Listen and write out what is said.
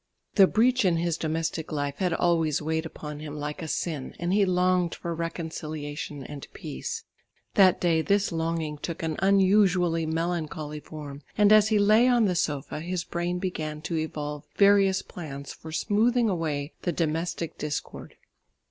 The breach in his domestic life had always weighed upon him like a sin, and he longed for reconciliation and peace. That day this longing took an unusually melancholy form, and as he lay on the sofa, his brain began to evolve various plans for smoothing away the domestic discord.